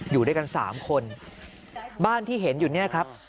อยู่ด้วยกันสามคนบ้านที่เห็นอยู่เนี่ยครับ